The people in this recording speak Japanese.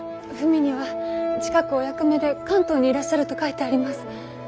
文には近くお役目で関東にいらっしゃると書いてあります。